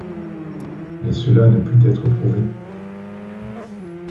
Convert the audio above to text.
Mais cela ne put être prouvé.